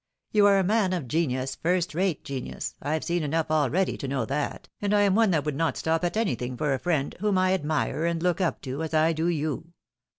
You are a man of genius, first rate genius. I've seen enough already to know that, and I am one that would not stop at anything for a Mend whom I admire and look up to as I do you.